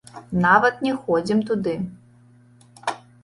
Нават не ходзім туды.